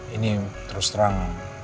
ini terus terang